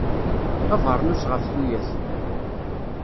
Abernus ɣef tuyat.